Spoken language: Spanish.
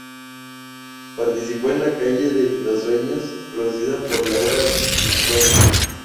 Participó en "La Calle de los Sueños" producida por Laura Visconti.